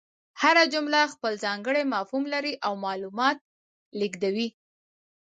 هره جمله خپل ځانګړی مفهوم لري او معلومات لېږدوي.